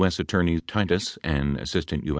Attorney Titus, and Assistant U.